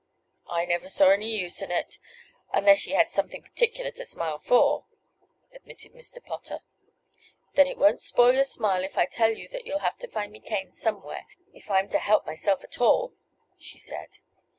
"I never saw any use in it unless ye had something perticular to smile for," admitted Mr. Potter. "Then it won't spoil your smile if I tell you that you'll have to find me canes somewhere if I'm to help myself at all," she said.